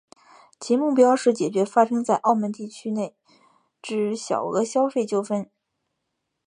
其目标是解决发生在澳门地区内之小额消费纠纷。